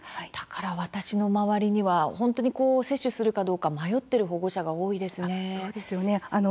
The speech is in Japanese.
だから私の周りには本当に接種するかどうか迷っている保護者が多いですね。